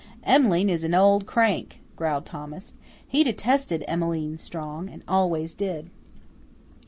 "Em'line is an old crank," growled Thomas. He detested Emmeline Strong, and always did.